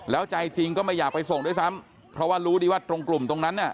แล้วใจจริงก็ไม่อยากไปส่งด้วยซ้ำเพราะว่ารู้ดีว่าตรงกลุ่มตรงนั้นน่ะ